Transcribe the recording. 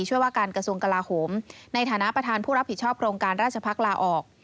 ว่าการกระทรวงกลาโหมในฐานะประธานผู้รับผิดชอบโครงการราชพักษ์ลาออก